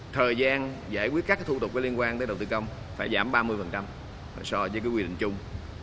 thời gian giải quyết các thủ tục liên quan đến đầu tư công phải giảm ba mươi so với quy định chung